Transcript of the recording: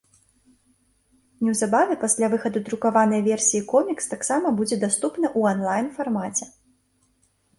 Неўзабаве пасля выхаду друкаванай версіі комікс таксама будзе даступны ў анлайн-фармаце.